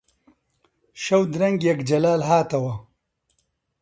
شەو درەنگێک جەلال هاتەوە